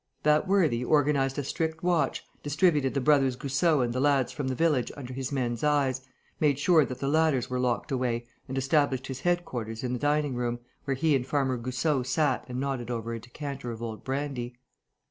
That worthy organized a strict watch, distributed the brothers Goussot and the lads from the village under his men's eyes, made sure that the ladders were locked away and established his headquarters in the dining room, where he and Farmer Goussot sat and nodded over a decanter of old brandy.